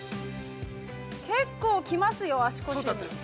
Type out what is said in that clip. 結構きますよ、足腰に。